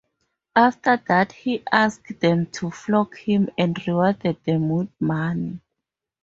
After that he asked them to flog him and rewarded them with money.